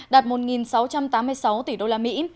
đạt một sáu trăm tám mươi sáu tỷ đô la mỹ